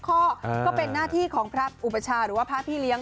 ก็เป็นหน้าที่ของพระอุปชาหรือว่าพระพี่เลี้ยง